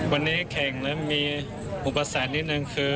วันนี้แข่งแล้วมีอุปสรรคนิดนึงคือ